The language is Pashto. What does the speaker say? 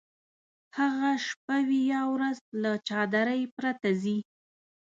هغه شپه وي یا ورځ له چادرۍ پرته ځي.